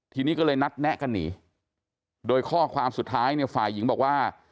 ทีนี้ก็เลยนัดแนะกันหนีโดยข้อความสุดท้ายเนี่ยฝ่ายหญิงบอกว่า